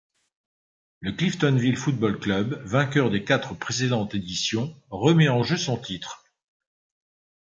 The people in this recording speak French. Le Cliftonville Football Club, vainqueur des quatre précédentes éditions, remet en jeu son titre.